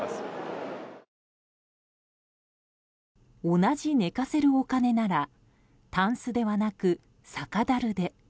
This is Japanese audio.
同じ寝かせるお金ならたんすではなく酒だるで。